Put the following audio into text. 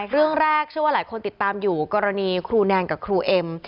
เรื่องแรกเชื่อว่าหลายคนติดตามอยู่กรณีครูแนนกับครูเอ็ม